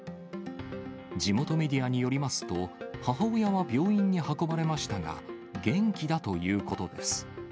地元メディアによりますと、母親は病院に運ばれましたが、元気だということです。